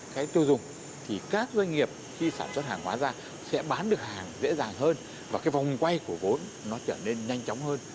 cái tiêu dùng thì các doanh nghiệp khi sản xuất hàng hóa ra sẽ bán được hàng dễ dàng hơn và cái vòng quay của vốn nó trở nên nhanh chóng hơn